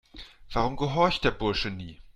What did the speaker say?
Warum gehorcht der Bursche nie?